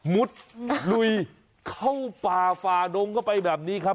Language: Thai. มุดลุยเข้าป่าฝาดงก็ไปแบบนี้ครับ